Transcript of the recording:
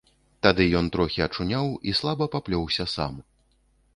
Тады ён трохі ачуняў і слаба паплёўся сам.